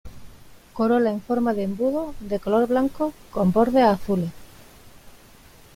Corola en forma de embudo, de color blanco con bordes azules.